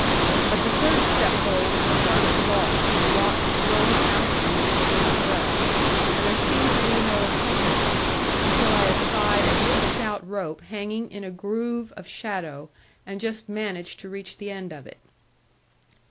But the third step hole was the hardest of all, and the rock swelled out on me over my breast, and there seemed to be no attempting it, until I espied a good stout rope hanging in a groove of shadow, and just managed to reach the end of it.